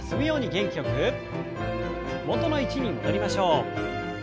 元の位置に戻りましょう。